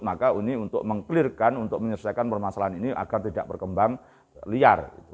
maka ini untuk mengklirkan untuk menyelesaikan permasalahan ini agar tidak berkembang liar